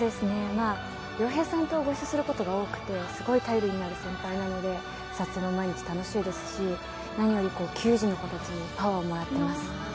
亮平さんとご一緒することが多くてすごい頼りになる先輩なので撮影も毎日楽しいですし何より球児の子たちにパワーをもらっています